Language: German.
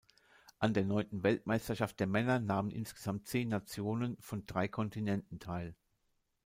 An der neunten Weltmeisterschaft der Männer nahmen insgesamt zehn Nationen von drei Kontinenten teil.